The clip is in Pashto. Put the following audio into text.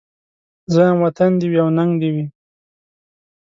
زه وايم وطن دي وي او ننګ دي وي